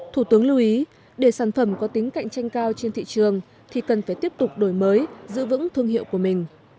thủ tướng lưu ý để sản phẩm có tính cạnh tranh cao trên thị trường thì cần phải tiếp tục đổi mới giữ vững thương hiệu của mình